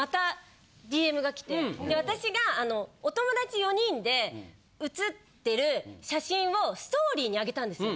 で私がお友達４人で写ってる写真をストーリーにあげたんですよ。